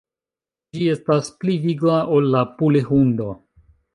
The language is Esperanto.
Ĝi estas pli vigla ol la puli-hundo.